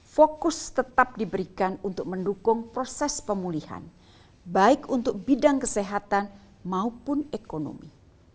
fokus tetap diberikan untuk mendukung proses pemulihan baik untuk bidang kesehatan maupun ekonomi